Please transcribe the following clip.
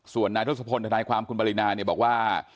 ส่วนนายทศพลทนายความคุณปริณาบอกว่า